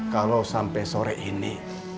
kalau sampai sore ini